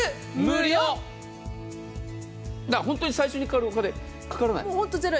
本当に最初にかかるお金かからない。